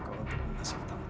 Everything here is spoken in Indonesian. kalau menelan hutang hutang kamu